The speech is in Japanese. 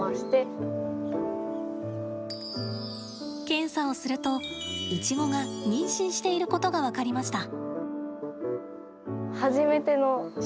検査をすると、イチゴが妊娠していることが分かりました。